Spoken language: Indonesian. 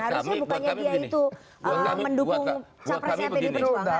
harusnya bukannya dia itu mendukung capresnya pdi perjuangan